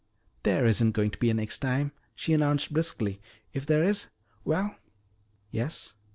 "There isn't going to be any next time," she announced briskly. "If there is well " "Yes?"